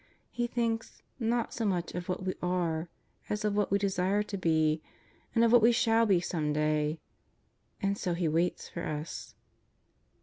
He thinks, not so much of what we are as of what we desire to be, of what we shall be some day. ^nd so He waits for us.